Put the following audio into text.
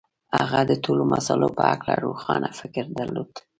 هغه د ټولو مسألو په هکله روښانه فکر درلود.